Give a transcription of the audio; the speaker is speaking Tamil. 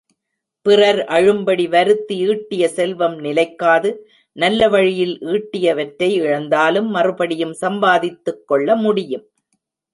பிறர் அழும்படி வருத்தி ஈட்டிய செல்வம் நிலைக்காது நல்ல வழியில் ஈட்டியவற்றை இழந்தாலும் மறுபடியும் சம்பாதித்துக் கொள்ள முடியும்.